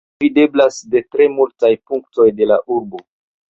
Ĝi videblas de tre multaj punktoj de la urbo.